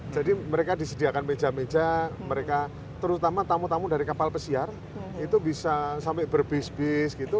jadi mereka disediakan meja meja mereka terutama tamu tamu dari kapal pesiar itu bisa sampai berbis bis gitu